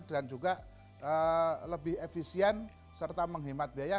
dan juga lebih efisien serta menghemat biaya